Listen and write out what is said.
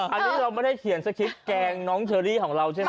อันนี้เราไม่ได้เขียนสคริปต์แกล้งน้องเชอรี่ของเราใช่ไหม